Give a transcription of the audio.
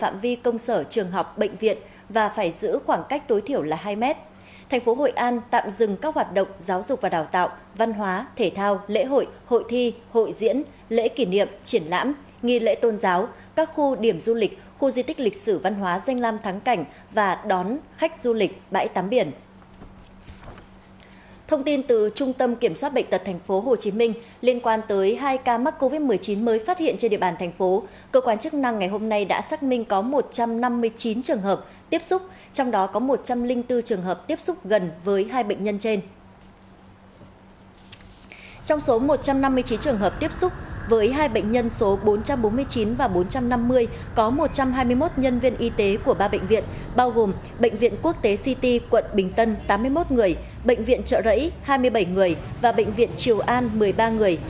trong số một trăm năm mươi chín trường hợp tiếp xúc với hai bệnh nhân số bốn trăm bốn mươi chín và bốn trăm năm mươi có một trăm hai mươi một nhân viên y tế của ba bệnh viện bao gồm bệnh viện quốc tế city quận bình tân tám mươi một người bệnh viện trợ rẫy hai mươi bảy người và bệnh viện triều an một mươi ba người